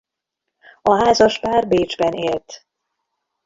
A házaspár Bécsben élt.